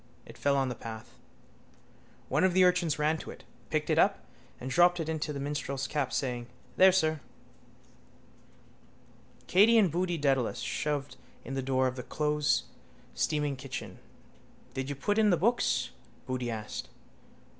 It fell on the path. One of the urchins ran to it, picked it up and dropped it into the minstrel's cap, saying: —There, sir. Katey and Boody Dedalus shoved in the door of the closesteaming kitchen. —Did you put in the books? Boody asked.